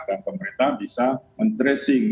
dan pemerintah bisa men tracing